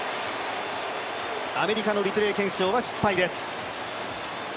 アメリカのリプレー検証は失敗です。